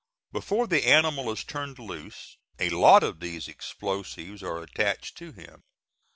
Before the animal is turned loose a lot of these explosives are attached to him.